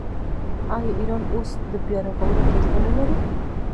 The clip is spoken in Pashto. آیا ایران اوس د بیارغونې تجربه نلري؟